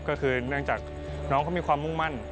ก็คือเนื่องจากน้องเขามีความมุ่งมั่น